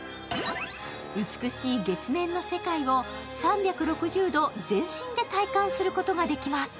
美しい月面の世界を３６０度全身で体感することができます。